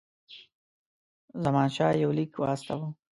زمانشاه یو لیک واستاوه.